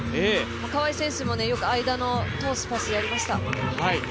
川井選手もよく間を通すパスをやりました。